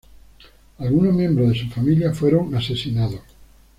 Algunos miembros de su familia fueron asesinados.